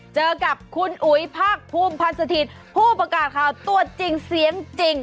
เจอกับคุณอุ๋ยภาคภูมิพันธ์สถิตย์ผู้ประกาศข่าวตัวจริงเสียงจริง